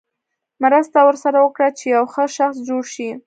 مرسته ورسره وکړه چې یو ښه شخص جوړ شي.